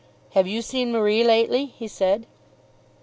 "Have you seen Marie lately?" he said.